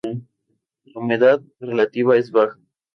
La humedad relativa es baja.